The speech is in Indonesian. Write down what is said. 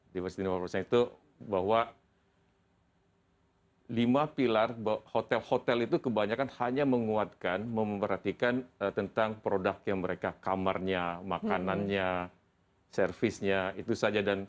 divers di new normal itu bahwa lima pilar hotel hotel itu kebanyakan hanya menguatkan memperhatikan tentang produk yang mereka kamarnya makanannya servisnya itu saja